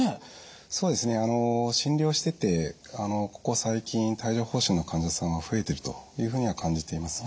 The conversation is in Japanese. そうですね診療しててここ最近帯状ほう疹の患者さんは増えているというふうには感じています。